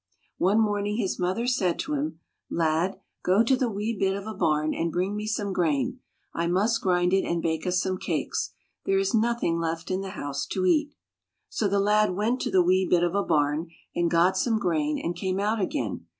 One morning his mother said to him, " Lad, go to the wee bit of a barn and bring me some grain. I must grind it and bake us some cakes. There is nothing left in the house to eat." So the lad went to the wee bit of a barn and got some grain and came out again.